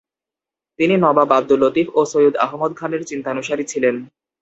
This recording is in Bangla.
তিনি নবাব আবদুল লতিফ ও সৈয়দ আহমদ খানের চিন্তানুসারী ছিলেন।